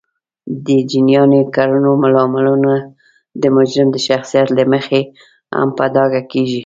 د جینایي کړنو لاملونه د مجرم د شخصیت له مخې هم په ډاګه کیږي